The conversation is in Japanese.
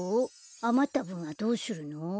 あまったぶんはどうするの？